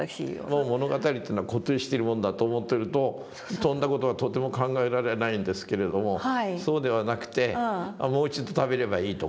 もう物語というのは固定してるもんだと思ってるとそんな事はとても考えられないんですけれどもそうではなくてもう一度食べればいいとか。